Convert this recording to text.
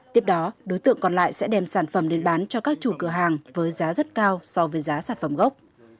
tiếp đó đối tượng còn lại sẽ đem sản phẩm đến bán cho các chủ cửa hàng với giá rất cao so với giá sản phẩm gốc